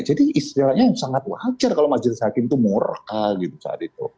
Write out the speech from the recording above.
jadi istilahnya sangat wajar kalau majelis hakim itu murka gitu saat itu